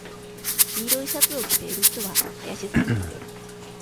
黄色いシャツを着ている人は林さんです。